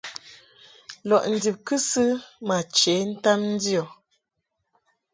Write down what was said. Lɔʼ ndib kɨsɨ ma che ntam ndio.